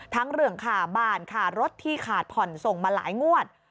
เรื่องค่าบ้านค่ารถที่ขาดผ่อนส่งมาหลายงวด